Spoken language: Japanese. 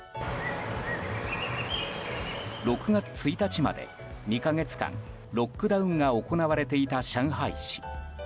６月１日までの２か月間ロックダウンが行われていた上海市。